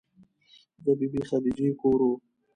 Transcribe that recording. د بې بي خدیجې کور و.